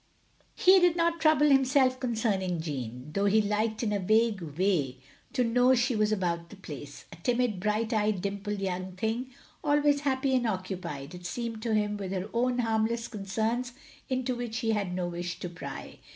He did not trouble himself concerning Jeanne, though he liked, in a vague way, to know she was "about the place," a timid, bright eyed, dimpled little thing, always happy and occupied, it seemed to him, with her own harmless concerns, into which he had no wish to pry.